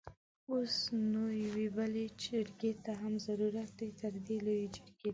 اوس نو يوې بلې جرګې ته هم ضرورت دی؛ تردې لويې جرګې ته!